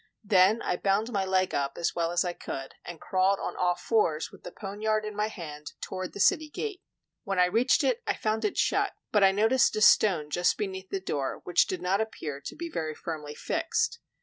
Then I bound my leg up as well as I could, and crawled on all fours with the poniard in my hand toward the city gate. When I reached it, I found it shut; but I noticed a stone just beneath the door which did not appear to be very firmly fixed.